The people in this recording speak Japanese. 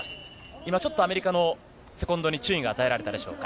今ちょっと、アメリカのセコンドに注意が与えられたでしょうか。